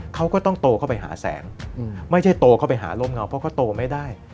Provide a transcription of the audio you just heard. เขาก็ต้องโตเข้าไปหาแสงไม่ใช่โตเข้าไปหาร่มเงาเพราะเขาโตไม่ได้